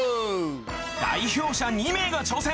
代表者２名が挑戦！